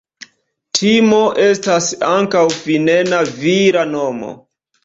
Timo estas ankaŭ finna vira nomo.